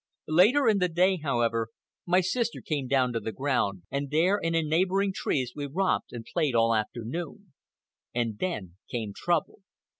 Later in the day, however, my sister came down to the ground, and there and in neighboring trees we romped and played all afternoon. And then came trouble.